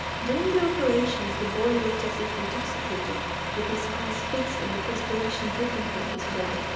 During the operations the boy looked as if intoxicated, with his eyes fixed and the perspiration dripping from his brow.